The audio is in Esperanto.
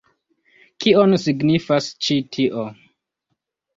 Kion signifas ĉi tio?